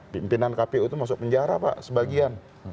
pimpinan kpu itu masuk penjara pak sebagian